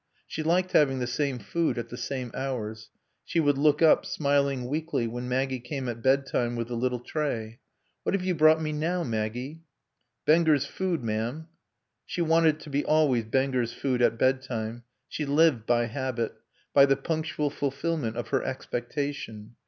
She liked having the same food at the same hours. She would look up, smiling weakly, when Maggie came at bedtime with the little tray. "What have you brought me now, Maggie?" "Benger's Food, ma'am." She wanted it to be always Benger's Food at bedtime. She lived by habit, by the punctual fulfillment of her expectation.